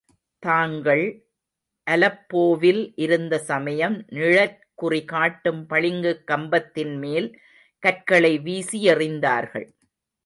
தாங்கள் அலெப்போவில் இருந்த சமயம், நிழற்குறிகாட்டும் பளிங்குக் கம்பத்தின்மேல் கற்களை வீசியெறிந்தார்கள்.